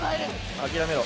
諦めろ